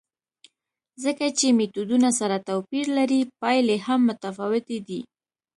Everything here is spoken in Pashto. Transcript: ځکه چې میتودونه سره توپیر لري، پایلې هم متفاوتې دي.